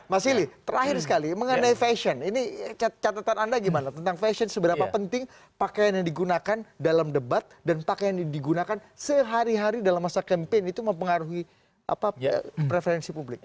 mas ili terakhir sekali mengenai fashion ini catatan anda gimana tentang fashion seberapa penting pakaian yang digunakan dalam debat dan pakaian yang digunakan sehari hari dalam masa campaign itu mempengaruhi preferensi publik